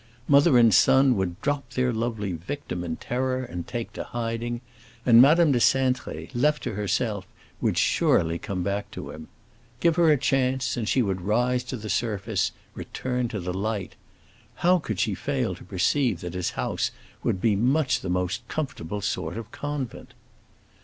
Mother and son would drop their lovely victim in terror and take to hiding, and Madame de Cintré, left to herself, would surely come back to him. Give her a chance and she would rise to the surface, return to the light. How could she fail to perceive that his house would be much the most comfortable sort of convent?